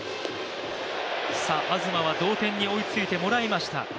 東は同点に追いついてもらいました。